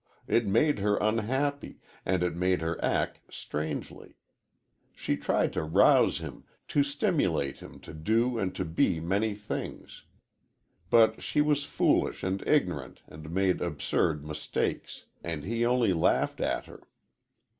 It made her unhappy, and it made her act strangely. She tried to rouse him, to stimulate him to do and to be many things. But she was foolish and ignorant and made absurd mistakes, and he only laughed at her.